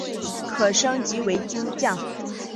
可升级成为金将。